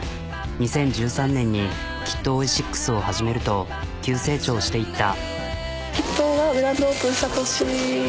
２０１３年にＫｉｔＯｉｓｉｘを始めると急成長していった。